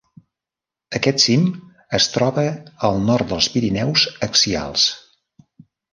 Aquest cim es troba al nord dels Pirineus axials.